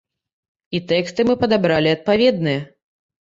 І тэксты мы падабралі адпаведныя.